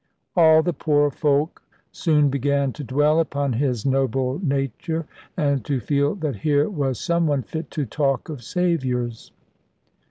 All the poor folk soon began to dwell upon his noble nature, and to feel that here was some one fit to talk of Saviours.